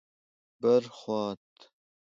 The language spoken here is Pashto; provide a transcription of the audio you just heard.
بر خوات: